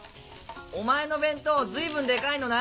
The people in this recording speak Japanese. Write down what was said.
お前の弁当随分デカいのな。